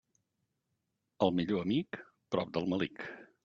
El millor amic, prop del melic.